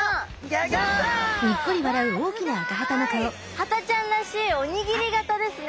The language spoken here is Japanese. ハタちゃんらしいおにぎり型ですね。